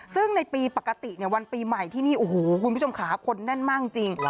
ซึ่งในปีปกติเนี่ยวันปีใหม่ที่นี่โอ้โหคุณผู้ชมขาคนแน่นมากจริง